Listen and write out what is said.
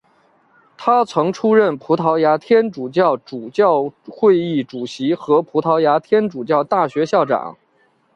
他曾出任葡萄牙天主教主教会议主席和葡萄牙天主教大学校长。